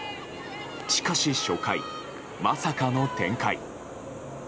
しかし、初回まさかの展開。